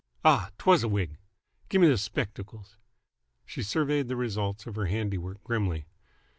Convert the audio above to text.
Ah! 'twas a wig. Gimme those spect'cles." She surveyed the results of her handiwork grimly.